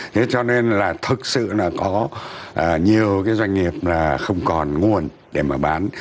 thế cho nên là thực sự là có nhiều cái doanh nghiệp là không còn nguồn để mà bán